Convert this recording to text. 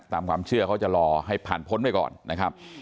ตามความเชื่อเขาจะรอให้ผ่านพ้นไปก่อนนะครับ